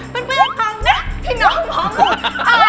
เป็นเพื่อนของแม่พี่น้องพ่อหมุน